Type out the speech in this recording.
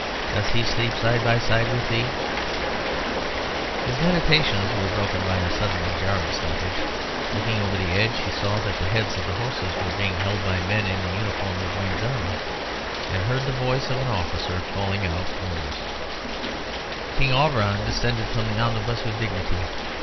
Does he sleep side by side with thee " His meditations were broken by a sudden and jarring stoppage. Looking over the edge, he saw that the heads of the horses were being held by men in the uniform of Wayne's army, and heard the voice of an officer calling out orders. [Illustration: KING AUBERON DESCENDED FROM THE OMNIBUS WITH DIGNITY.] King Auberon descended from the omnibus with dignity.